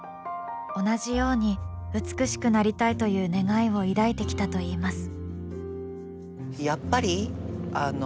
同じように美しくなりたいという願いを抱いてきたといいます。